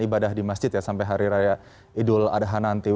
ibadah di masjid ya sampai hari raya idul adha nanti